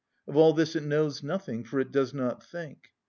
Of all this it knows nothing, for it does not think.